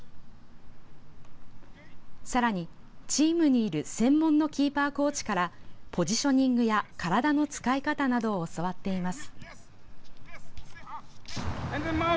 さらに、チームにいる専門のキーパーコーチから、ポジショニングや体の使い方などを教わっています。